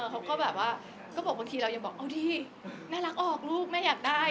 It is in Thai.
เขาก็แบบว่าก็บอกบางทีเรายังบอกเอาที่น่ารักออกลูกแม่อยากได้